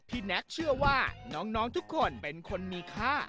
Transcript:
แน็กเชื่อว่าน้องทุกคนเป็นคนมีค่า